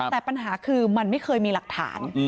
แต่ปัญหาคือมันไม่เคยมีหลักฐาน